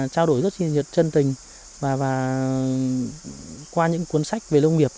chúng ta cũng trao đổi rất chân tình và qua những cuốn sách về nông nghiệp